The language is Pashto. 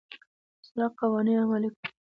د سړک قوانين عملي کړه.